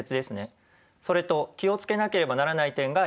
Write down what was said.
それと気を付けなければならない点があります。